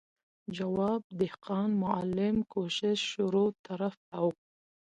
جواب، دهقان، معلم، کوشش، شروع، طرف او ...